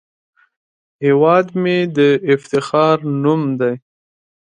هیواد مې د افتخار نوم دی